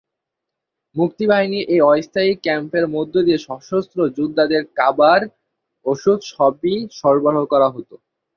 মুক্তিবাহিনীর এই অস্থায়ী ক্যাম্পের মধ্য দিয়ে সশস্ত্র যোদ্ধাদের কাবার, ওষুধ সবই সরবরাহ করা হতো।